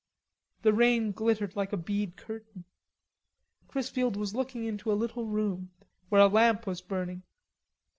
The rain glittered like a bead curtain. Chrisfield was looking into a little room where a lamp was burning.